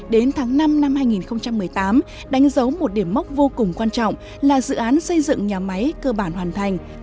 đến tháng năm năm hai nghìn một mươi tám đánh dấu một điểm mốc vô cùng quan trọng là dự án xây dựng nhà máy cơ bản hoàn thành